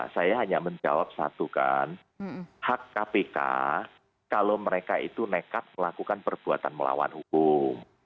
saya hanya menjawab satu kan hak kpk kalau mereka itu nekat melakukan perbuatan melawan hukum